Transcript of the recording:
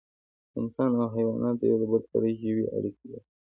انسانان او حیوانات د یو بل سره ژوی اړیکې لري